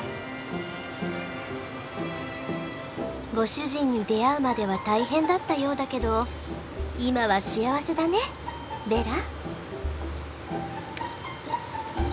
ご主人に出会うまでは大変だったようだけど今は幸せだねベラ。